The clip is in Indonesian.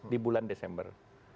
di bulan desember